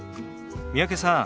三宅さん